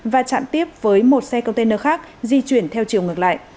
và chặn tiếp với một xe container khác di chuyển theo chiều ngược lại